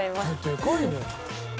でかいね。